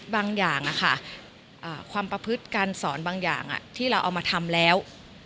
บางอย่างความประพฤติการสอนบางอย่างที่เราเอามาทำแล้ว